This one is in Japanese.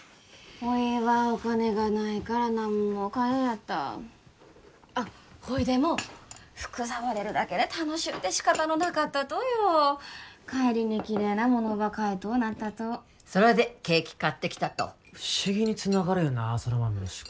おいはお金がないから何も買えんやったあっほいでも服触れるだけで楽しゅうて仕方のなかったとよ帰りにキレイなものば買いとうなったとそれでケーキ買ってきたと不思議につながるよな空豆の思考